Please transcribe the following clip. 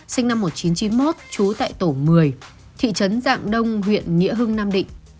sinh năm một nghìn chín trăm chín mươi một trú tại tổ một mươi thị trấn dạng đông huyện nghĩa hưng nam định